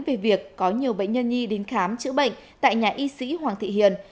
về việc có nhiều bệnh nhân nhi đến khám chữa bệnh tại nhà y sĩ hoàng thị hiền